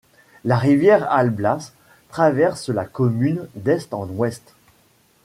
La rivière Alblas traverse la commune d'est en ouest.